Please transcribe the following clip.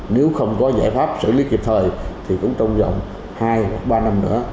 nếu không có giải pháp xử lý kịp thời thì cũng trong vòng hai hoặc ba năm nữa